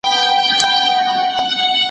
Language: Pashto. د سردرد شدت د ورځې له حالته اغېزمن کېږي.